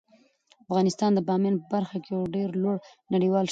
افغانستان د بامیان په برخه کې یو ډیر لوړ نړیوال شهرت لري.